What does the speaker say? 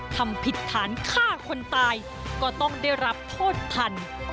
ทำผิดฐานฆ่าคนตายก็ต้องได้รับโทษทัน